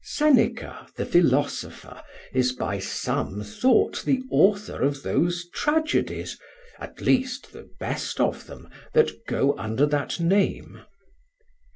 Seneca the Philosopher is by some thought the Author of those Tragedies (at lest the best of them) that go under that name.